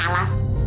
dia ada kinda